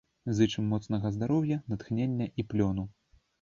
Зычым моцнага здароўя, натхнення і плёну!